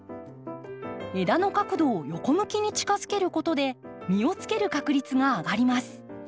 枝の角度を横向きに近づけることで実をつける確率が上がります。